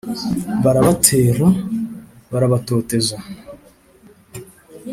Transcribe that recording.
barabatera barabatoteza